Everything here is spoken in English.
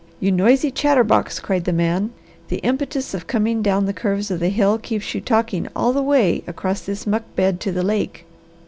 "You noisy chatterbox!" cried the man. "The impetus of coming down the curves of the hill keeps you talking all the way across this muck bed to the lake.